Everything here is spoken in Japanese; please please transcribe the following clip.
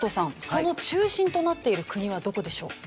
その中心となっている国はどこでしょう？